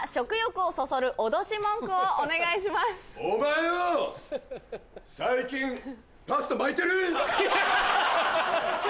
お前よぉ最近パスタ巻いてる？